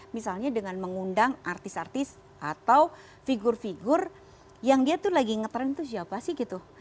misalnya dengan mengundang artis artis atau figur figur yang dia tuh lagi ngetrend itu siapa sih gitu